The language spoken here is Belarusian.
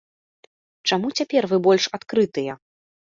Чаму цяпер вы больш адкрытыя?